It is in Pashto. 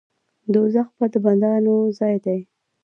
دوزخ د بدانو ځای دی